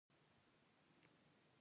غول د ماشوم د صحت هنداره ده.